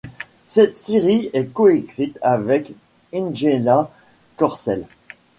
Cette série est coécrite avec Ingela Korsell.